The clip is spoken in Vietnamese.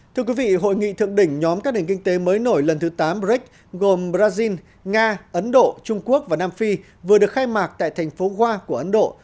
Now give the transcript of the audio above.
thưa quý vị hội nghị thượng đỉnh nhóm các nền kinh tế mới nổi lần thứ tám brics gồm brazil nga ấn độ trung quốc và nam phi vừa được khai mạc tại thành phố gua của ấn độ